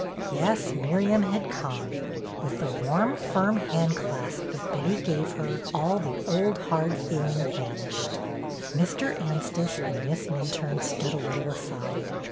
Yes, Miriam had come. With the warm, firm hand clasp that Betty gave her, all the old hard feeling vanished. Mr. Anstice and Miss Minturne stood a little aside.